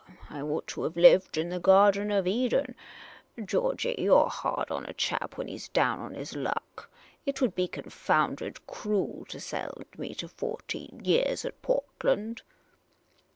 I ought to have lived in the Garden of Eden. Georgey, you 're hard on a chap when he 's down on his hick. It would be con founded cruel to send me to fourteen yeahs at Portland.